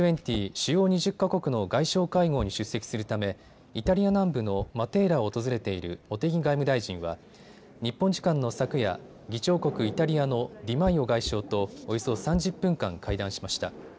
主要２０か国の外相会合に出席するためイタリア南部のマテーラを訪れている茂木外務大臣は日本時間の昨夜、議長国イタリアのディマイオ外相とおよそ３０分間、会談しました。